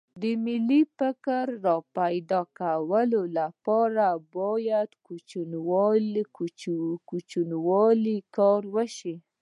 د ملي فکر راپیدا کولو لپاره باید له کوچنیوالي کار وشي